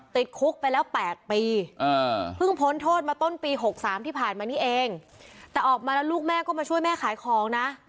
ติดคุกไปแล้ว๘ปีเพิ่งพ้นโทษมาต้นปี๖๓ที่ผ่านมานี่เองแต่ออกมาแล้วลูกแม่ก็มาช่วยแม่ขายของนะ